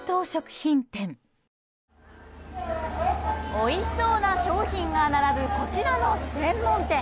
おいしそうな商品が並ぶこちらの専門店。